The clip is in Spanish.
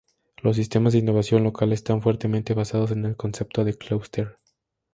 Los sistemas de innovación local están fuertemente basados en el concepto de clúster.